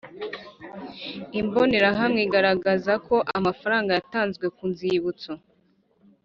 Imbonerahamwe igaragaza uko amafaranga yatanzwe ku nzibutso